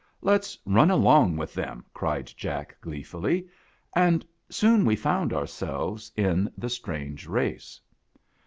" Let 's run along with them.' cried Jack gleefully ; and soon we found ourselves in the strange race.